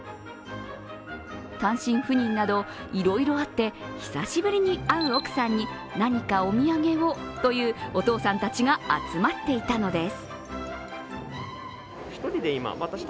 単身赴任などいろいろあって久しぶりに会う奥さんに何かお土産をというお父さんたちが集まっていたのです。